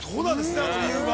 あの理由が。